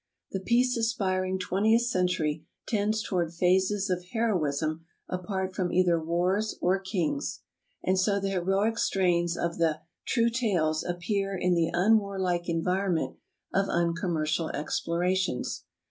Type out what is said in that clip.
The peace aspiring twentieth century tends toward phases of heroism apart from either wars or kings, and so the heroic strains of the "True Tales" appear V in the unwarHke environment of uncommercial explo X rations.